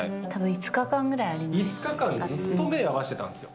５日間ぐらい目ずっと合わせてたんですよ。